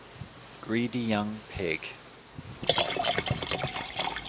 Greedy young pig.